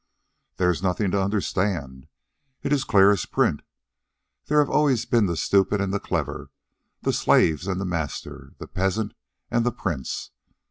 "There is nothing to understand. It is clear as print. There have always been the stupid and the clever, the slave and the master, the peasant and the prince.